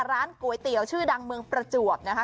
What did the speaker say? ร้านก๋วยเตี๋ยวชื่อดังเมืองประจวบนะคะ